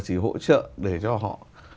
chỉ hỗ trợ để cho họ